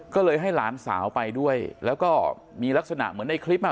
ก็เลยให้หลานสาวไปด้วยแล้วก็มีลักษณะเหมือนในคลิปอ่ะ